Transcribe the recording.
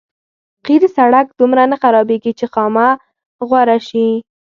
قیر سړک دومره نه خرابېږي چې خامه غوره شي.